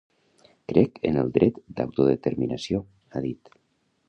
Crec en el dret d’autodeterminació –ha dit–.